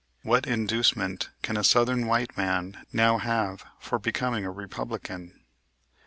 What inducement can a southern white man now have for becoming a Republican?